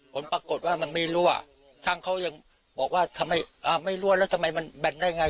ผลปรากฎว่ามันมีรั่วท่านเขายังบอกว่าท่านมาอ่ะไม่รั่วแล้วทำไมมันแบนได้ไง